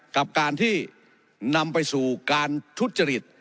กับการที่นำไปสู่การทุจริต